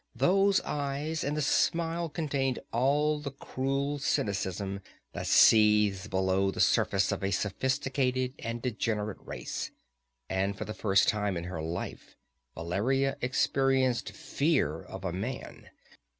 Those eyes and that smile contained all the cruel cynicism that seethes below the surface of a sophisticated and degenerate race, and for the first time in her life Valeria experienced fear of a man.